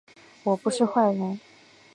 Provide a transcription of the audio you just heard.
我不是坏人